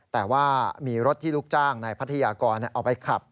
แต่ว่ามีรถที่ลูกจ้างในพัทยากรเอาไปขับ